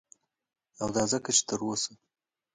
او دا ځکه چه تر اوسه